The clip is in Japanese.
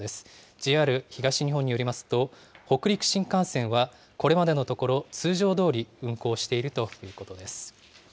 ＪＲ東日本によりますと、北陸新幹線はこれまでのところ、通常どおり運行しているということです。